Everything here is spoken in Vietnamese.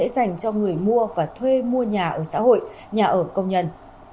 dành cho người mua và thuê mua nhà ở xã hội nhà ở công nhân